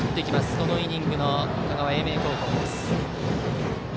このイニングの香川・英明高校。